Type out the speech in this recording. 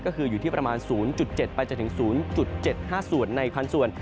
ก็คืออยู่ที่ประมาณ๐๗ไปจนถึง๐๗๕ส่วนในพันส่วน